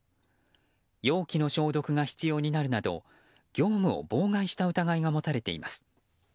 容器の消毒が必要になるなど業務を妨害した疑いが持たれています。